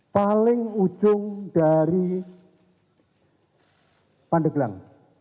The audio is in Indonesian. paling ujung dari pandeglang